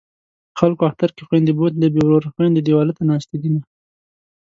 خلکو اختر کې خویندې بوتلې بې وروره خویندې دېواله ته ناستې دینه